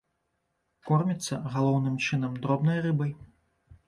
Корміцца, галоўным чынам, дробнай рыбай.